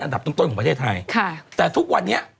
อันดับต้นของประเทศไทย